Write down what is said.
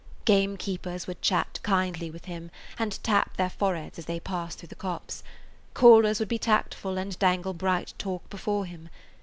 Gamekeepers would chat kindly with him, and tap their foreheads as they passed through the copse; callers would be tactful and dangle bright talk before him.